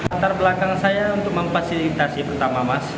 latar belakang saya untuk memfasilitasi pertama mas